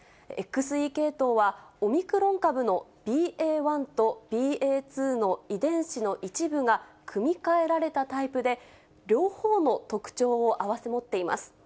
ＸＥ系統は、オミクロン株のＢＡ．１とＢＡ．２の遺伝子の一部が組み換えられたタイプで、両方の特徴を併せ持っています。